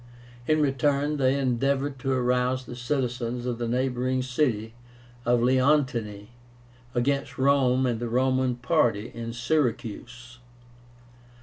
In return, they endeavored to arouse the citizens of the neighboring city of Leontini against Rome and the Roman party in Syracuse.